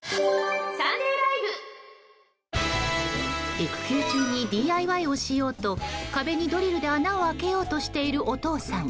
育休中にＤＩＹをしようと壁にドリルで穴を開けようとしているお父さん。